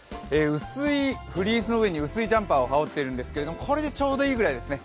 薄いフリーズの上に薄いジャンパーを羽織っているんですけれども、これでちょうどいいくらいですね。